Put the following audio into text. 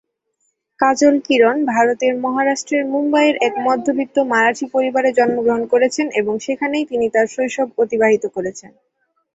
কাজল কিরণ ভারতের মহারাষ্ট্রের মুম্বইয়ের এক মধ্যবিত্ত মারাঠি পরিবারে জন্মগ্রহণ করেছেন এবং সেখানেই তিনি তাঁর শৈশব অতিবাহিত করেছেন।